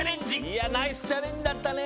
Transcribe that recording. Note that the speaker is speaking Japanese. いやナイスチャレンジだったね。